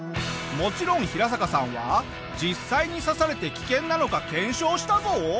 もちろんヒラサカさんは実際に刺されて危険なのか検証したぞ。